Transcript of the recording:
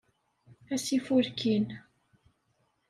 Ass ifulkin.